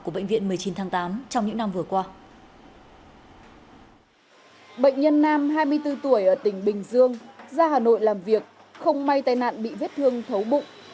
bệnh nhân nam hai mươi bốn tuổi ở tỉnh bình dương ra hà nội làm việc không may tai nạn bị vết thương thấu bụng